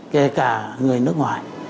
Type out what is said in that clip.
kể cả người nước ngoài